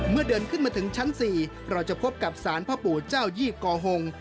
เมื่อเดินขึ้นมาถึงชั้น๔เราจะพบกับศพจ้านหยี่กอหงษ์